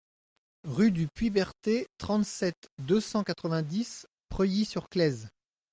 Rue du Puits Berthet, trente-sept, deux cent quatre-vingt-dix Preuilly-sur-Claise